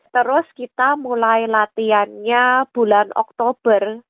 terus kita mulai latihannya bulan oktober